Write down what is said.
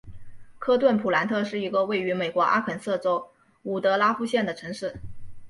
科顿普兰特是一个位于美国阿肯色州伍德拉夫县的城市。